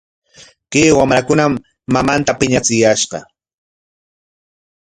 Kay wamrakunam mamanta piñachiyashqa.